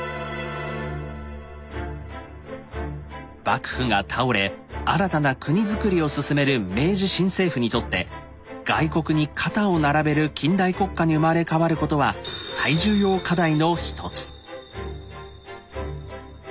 幕府が倒れ新たな国づくりを進める明治新政府にとって外国に肩を並べる近代国家に生まれ変わることは最重要課題の一つ。